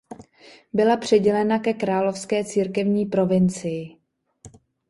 Byla přidělena ke Krakovské církevní provincii.